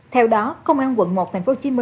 theo đó công an quận một tp hcm